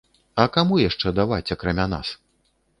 А каму яшчэ даваць, акрамя нас?